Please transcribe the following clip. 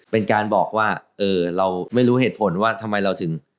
เป็นการบอกว่าเออเราไม่รู้เหตุผลว่าทำไมเราถึง